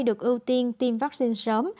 được ưu tiên tiêm vaccine sớm